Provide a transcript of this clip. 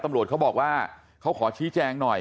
ตำรวจเขาบอกว่าเขาขอชี้แจงหน่อย